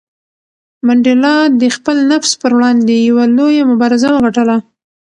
منډېلا د خپل نفس پر وړاندې یوه لویه مبارزه وګټله.